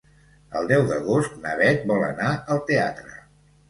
El deu d'agost na Bet vol anar al teatre.